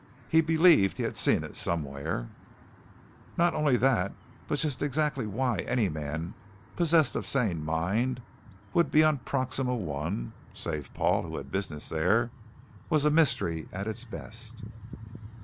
He believed he had seen it somewhere. Not only that, but just exactly why any man possessed of sane mind would be on Proxima I (save Paul, who had business there) was mystery at its best.